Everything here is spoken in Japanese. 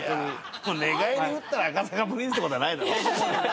寝返り打ったら赤坂プリンスってことはないだろ。